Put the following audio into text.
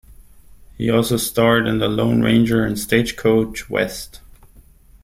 He also starred in "The Lone Ranger" and "Stagecoach West".